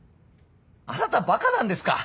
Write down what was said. あなたバカなんですか？